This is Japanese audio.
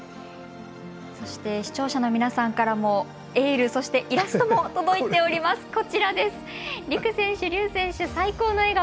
そして、視聴者の皆さんからもエールそして、イラストも届いております。